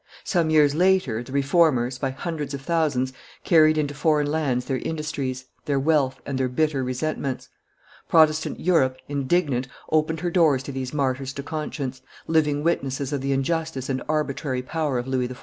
Some years later, the Reformers, by hundreds of thousands, carried into foreign lands their industries, their wealth, and their bitter resentments. Protestant Europe, indignant, opened her doors to these martyrs to conscience, living witnesses of the injustice and arbitrary power of Louis XIV.